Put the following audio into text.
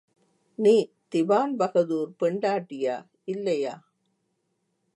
நீ திவான்பகதூர் பெண்டாட்டியா இல்லையா?